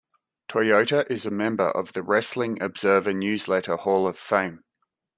Toyota is a member of the Wrestling Observer Newsletter Hall of Fame.